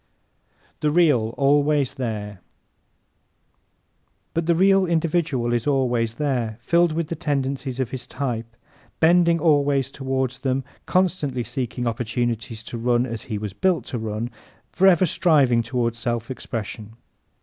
The Real Always There ¶ But the real individual is always there, filled with the tendencies of his type, bending always toward them, constantly seeking opportunities to run as he was built to run, forever striving toward self expression.